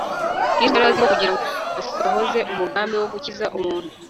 kristo yari azi ko kugira ngo asohoze umugambi wo gukiza umuntu